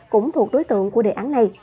cũng thuộc đối tượng của đề án này